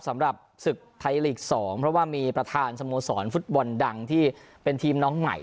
สำหรับศึกไทยลีก๒เพราะว่ามีประธานสโมสรฟุตบอลดังที่เป็นทีมน้องใหม่